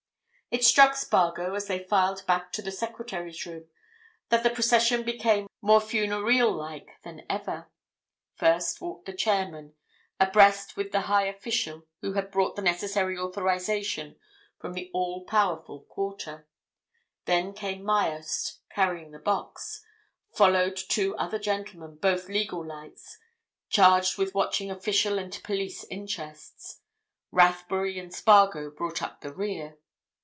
It struck Spargo as they filed back to the secretary's room that the procession became more funereal like than ever. First walked the chairman, abreast with the high official, who had brought the necessary authorization from the all powerful quarter; then came Myerst carrying the box: followed two other gentlemen, both legal lights, charged with watching official and police interests; Rathbury and Spargo brought up the rear.